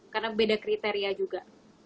karena beda kriteria juga